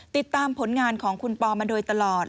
ติดตามผลงานของคุณปอมาโดยตลอด